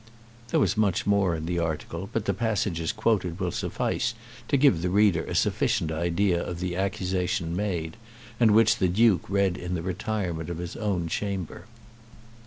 There was much more in the article, but the passages quoted will suffice to give the reader a sufficient idea of the accusation made, and which the Duke read in the retirement of his own chamber.